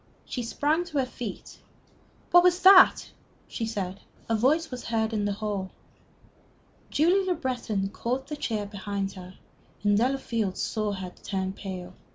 She sprang to her feet. "What was that?" she said. A voice was heard in the hall. Julie Le Breton caught the chair behind her, and Delafield saw her turn pale.